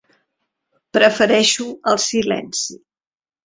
Prefereixo el silenci.